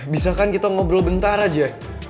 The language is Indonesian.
bisakan kita ngobrol bentar aja